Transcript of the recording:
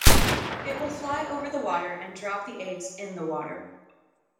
It will fly over the water and drop the eggs in the water.